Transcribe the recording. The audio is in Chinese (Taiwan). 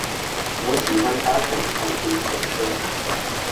我喜歡搭乘長途火車